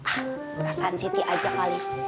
ah perasaan siti aja kali